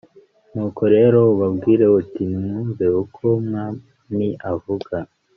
Nuko rero ubabwire uti Nimwumve uko Umwamiavuga